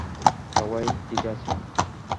সবাই ঠিক আছে?